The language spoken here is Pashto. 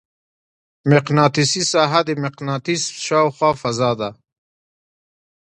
مقناطیسي ساحه د مقناطیس شاوخوا فضا ده.